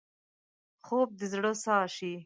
خوب د زړه ساه شي